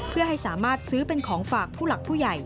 เพื่อให้สามารถซื้อเป็นของฝากผู้หลักผู้ใหญ่